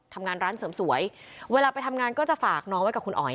ทำงานร้านเสริมสวยเวลาไปทำงานก็จะฝากน้องไว้กับคุณอ๋อย